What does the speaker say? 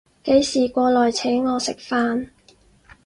幾時過來請我食飯